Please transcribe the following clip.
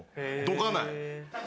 どかない？